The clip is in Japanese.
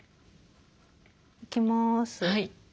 いきます。